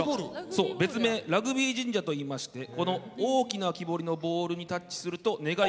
そう別名「ラグビー神社」といいましてこの大きな木彫りのボールにタッチすると願いがかなうといわれています。